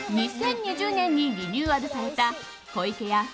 ２０２０年にリニューアルされた湖池屋